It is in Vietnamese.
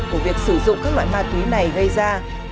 của việc sử dụng các loại ma túy này gây ra